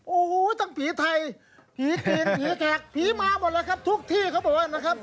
โอ้ฮูตามผีไทยผีกรีนผีแท็กผีมาหมดแล้วครับทุกที่ครับผมนะครับ